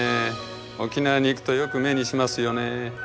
沖縄に行くとよく目にしますよね。